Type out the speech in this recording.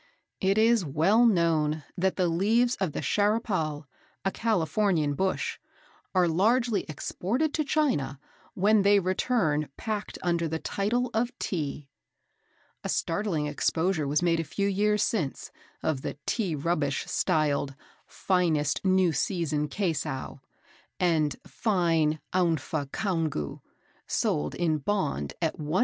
It is well known that the leaves of the Charrapal, a Californian bush, are largely exported to China, when they return packed under the title of Tea. A startling exposure was made a few years since, of the tea rubbish styled "Finest New Season Kaisow," and "Fine Oanfa Congou," sold in bond at 1¼d.